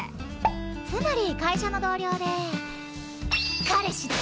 つまり会社の同僚で彼氏だ。